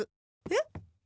えっ？